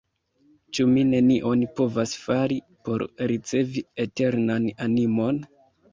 Ĉu mi nenion povas fari, por ricevi eternan animon?